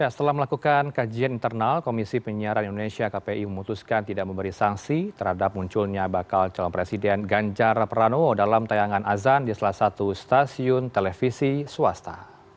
setelah melakukan kajian internal komisi penyiaran indonesia kpi memutuskan tidak memberi sanksi terhadap munculnya bakal calon presiden ganjar pranowo dalam tayangan azan di salah satu stasiun televisi swasta